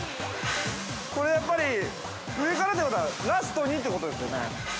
◆これ、やっぱり、上からということはラストに、ということですよね？